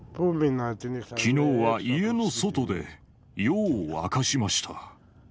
きのうは家の外で夜を明かしました。